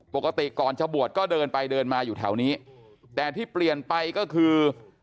ปกติก่อนจะบวชก็เดินไปเดินมาอยู่แถวนี้แต่ที่เปลี่ยนไปก็คือ